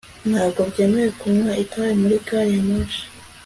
Ntabwo byemewe kunywa itabi muri gari ya moshi